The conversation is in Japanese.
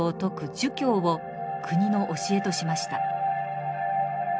儒教を国の教えとしました。